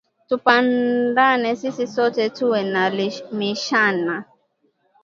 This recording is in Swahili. Tupendane sisi sote tuwe na limishana